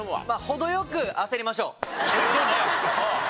ほどよく焦りましょう。